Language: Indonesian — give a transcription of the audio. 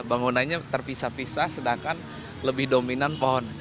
bangunannya terpisah pisah sedangkan lebih dominan pohon